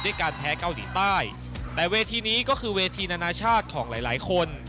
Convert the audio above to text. การแพ้เกาหลีใต้แต่เวทีนี้ก็คือเวทีนานาชาติของหลายหลายคน